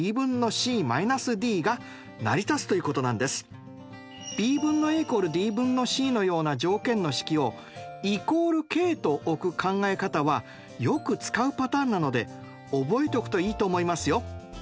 従ってｂ分のａ＝ｄ分のｃのような条件の式を＝ｋと置く考え方はよく使うパターンなので覚えておくといいと思いますよ。